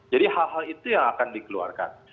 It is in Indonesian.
jadi hal hal itu yang akan dikeluarkan